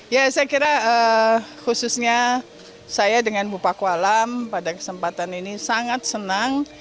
ya saya kira khususnya saya dengan bu paku alam pada kesempatan ini sangat senang